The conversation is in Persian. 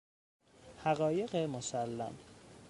حقایق مسلم